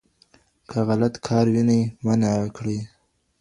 که غلط کار وینئ منع یې کړئ.